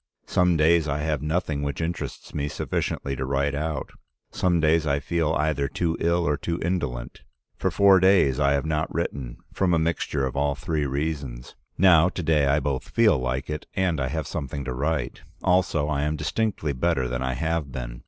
Some days I have nothing which interests me sufficiently to write out, some days I feel either too ill or too indolent. For four days I have not written, from a mixture of all three reasons. Now, to day I both feel like it and I have something to write. Also I am distinctly better than I have been.